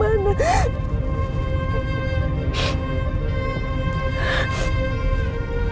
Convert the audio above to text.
aku tuh mau mengout sesuatu nih